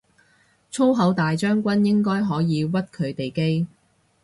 粗口大將軍應該可以屈佢哋機